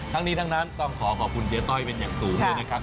ทั้งนี้ทั้งนั้นต้องขอขอบคุณเจ๊ต้อยเป็นอย่างสูงเลยนะครับ